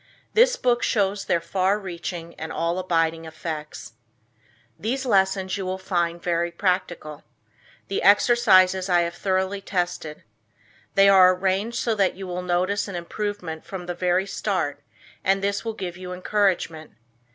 This book shows their far reaching and all abiding effects. These lessons you will find very practical. The exercises I have thoroughly tested. They are arranged so that you will notice an improvement from the very start, and this will give you encouragement.